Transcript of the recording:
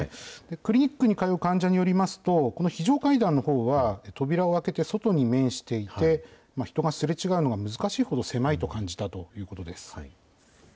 クリニックに通う患者によりますと、この非常階段のほうは、扉を開けて外に面していて、人がすれ違うのが難しいほど狭いと感じたということです。